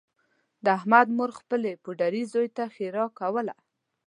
د احمد مور خپل پوډري زوی ته ښېرا کوله